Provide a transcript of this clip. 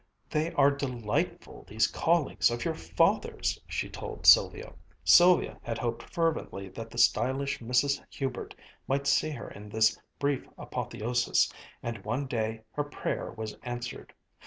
"They are delightful, these colleagues of your father's!" she told Sylvia. Sylvia had hoped fervently that the stylish Mrs. Hubert might see her in this brief apotheosis, and one day her prayer was answered.